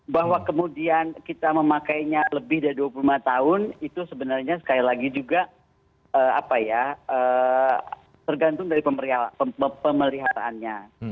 bahwa kemudian kita memakainya lebih dari dua puluh lima tahun itu sebenarnya sekali lagi juga tergantung dari pemeliharaannya